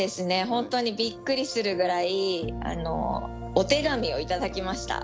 ほんとにびっくりするぐらいお手紙を頂きました。